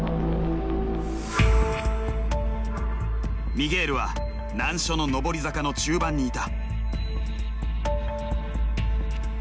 ミゲールは難所の上り坂の中盤にいた。